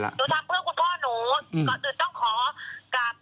ก็เลยต้อง